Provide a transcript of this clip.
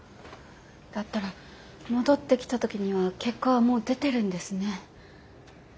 だったら戻ってきた時には結果はもう出てるんですね。